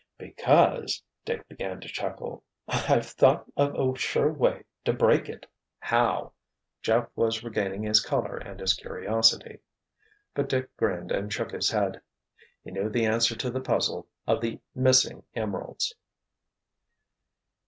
"Because." Dick began to chuckle, "I've thought of a sure way to break it." "How?" Jeff was regaining his color and his curiosity. But Dick grinned and shook his head. He knew the answer to the puzzle of the missing emeralds!